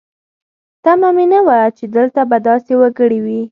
تمه مې نه وه چې دلته به داسې وګړي وي.